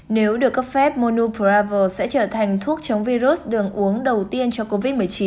nếu được cấp phép monubravel sẽ trở thành thuốc chống virus đường uống đầu tiên cho covid một mươi chín